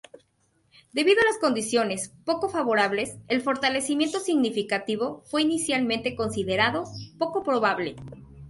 Debido a las condiciones poco favorables, el fortalecimiento significativo fue inicialmente considerado "poco probable".